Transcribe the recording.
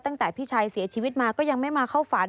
ตั้งแต่พี่ชายเสียชีวิตมาก็ยังไม่มาเข้าฝัน